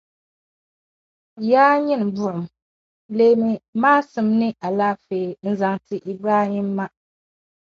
Yaa nyini buɣum! Leemi maasim ni alaafee n-zaŋ ti Ibrahima.